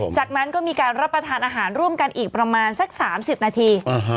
จากนั้นก็มีการรับประทานอาหารร่วมกันอีกประมาณสัก๓๐นาที